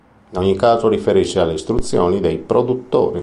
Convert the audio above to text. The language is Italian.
In ogni caso riferirsi alle istruzioni dei produttori.